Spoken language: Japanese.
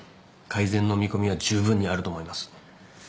改善の見込みはじゅうぶんにあると思います。